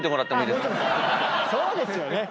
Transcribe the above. そうですよね！